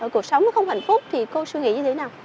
cuộc sống nó không hạnh phúc thì cô suy nghĩ như thế nào